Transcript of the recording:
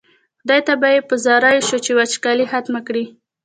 خدای ته به یې په زاریو شو چې وچکالي ختمه کړي.